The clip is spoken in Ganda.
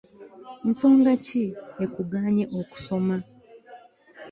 Nsonga ki ekuganye okusoma?